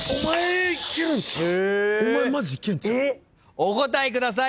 お答えください。